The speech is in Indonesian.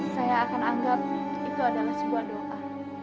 saya akan anggap itu adalah sebuah doa